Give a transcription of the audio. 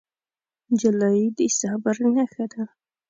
نجلۍ د صبر نښه ده.